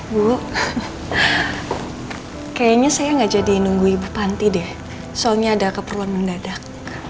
bu kayaknya saya nggak jadi nunggu ibu panti deh soalnya ada keperluan mendadak